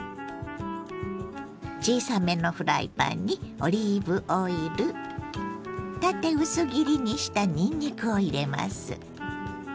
小さめのフライパンにオリーブオイル縦薄切りにしたにんにくを入れます。